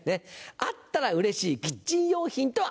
「あったらうれしいキッチン用品とは」